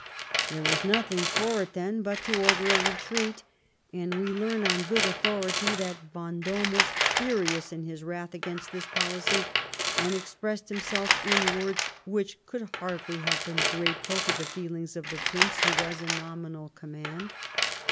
There was nothing for it, then, but to order a retreat, and we learn on good authority that Vendome was furious in his wrath against this policy, and expressed himself in words which could hardly have been grate ful to the feelings of the prince who was in nominal command.